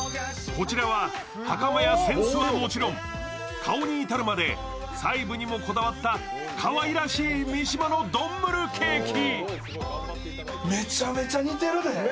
こちらは、はかまや扇子はもちろん、顔に至るまで細部にもこだわったかわいらしい三島のドンムルケーキ。